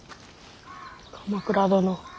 鎌倉殿。